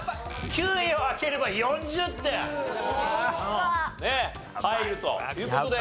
９位を開ければ４０点入るという事で。